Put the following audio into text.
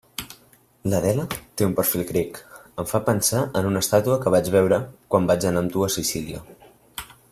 L'Adela té un perfil grec, em fa pensar en una estàtua que vaig veure quan vaig anar amb tu a Sicília.